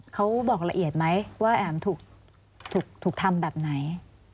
เขาบอกละเอียดไหมว่าแอ๋มถูกทำแบบไหน